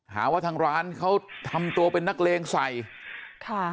หาว่าทางร้านเขาทำตัวเป็นนักเลงใส่ค่ะ